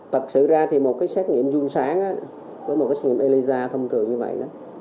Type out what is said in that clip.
thật sự ra thì một cái xét nghiệm dung sán với một cái xét nghiệm elisa thông thường như vậy